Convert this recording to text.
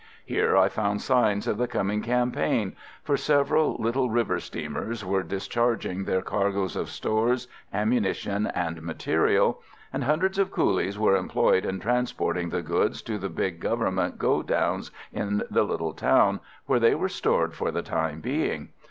Here I found signs of the coming campaign, for several little river steamers were discharging their cargoes of stores, ammunition and material, and hundreds of coolies were employed in transporting the goods to the big Government go downs in the little town, where they were stored for the time being.